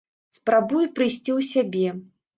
Спрабую прыйсці ў сябе.